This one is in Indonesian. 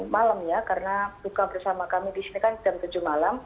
malam ya karena buka bersama kami di sini kan jam tujuh malam